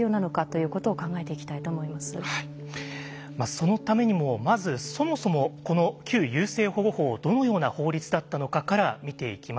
そのためにもまずそもそもこの旧優生保護法はどのような法律だったのかから見ていきます。